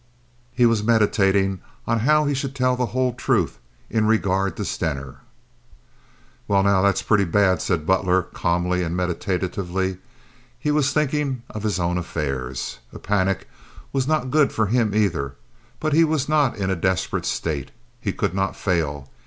He was meditating on how he should tell the whole truth in regard to Stener. "Well, now, that's pretty bad," said Butler, calmly and meditatively. He was thinking of his own affairs. A panic was not good for him either, but he was not in a desperate state. He could not fail.